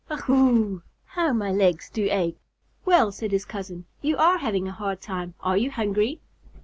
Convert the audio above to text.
Ugh whoo! How my legs do ache!" "Well," said his cousin, "you are having a hard time. Are you hungry?"